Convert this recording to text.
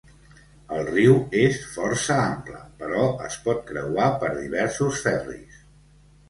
El riu és força ample, però es pot creuar per diversos ferris.